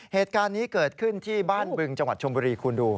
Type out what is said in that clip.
เหตุการณ์นี้เกิดขึ้นที่บ้านบึงจังหวัดชมบุรีคุณดู